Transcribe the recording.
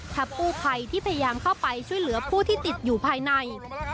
ถ้ากู้ภัยที่พยายามเข้าไปช่วยเหลือผู้ที่ติดอยู่ภายใน